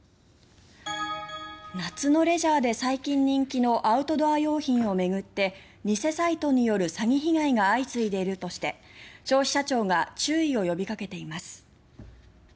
夏のレジャーで最近人気のアウトドア用品を巡って偽サイトによる詐欺被害が相次いでいるとして消費者庁が注意を呼びかけています。